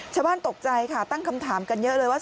ตกใจค่ะตั้งคำถามกันเยอะเลยว่า